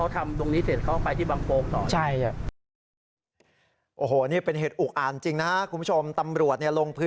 ตำรวจเนี่ยลงพื้นที่นี่นะครับ